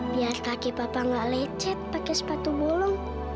biar kaki papa tidak lecet pakai sepatu bolong